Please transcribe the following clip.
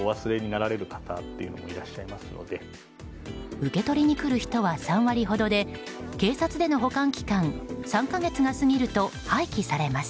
受け取りに来る人は３割ほどで警察での保管期間３か月が過ぎると廃棄されます。